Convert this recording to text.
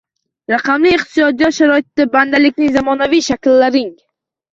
Raqamli iqtisodiyot sharoitida bandlikning zamonaviy shakllaring